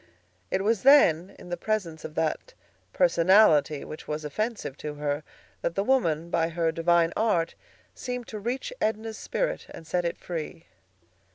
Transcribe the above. It was then, in the presence of that personality which was offensive to her, that the woman, by her divine art, seemed to reach Edna's spirit and set it free.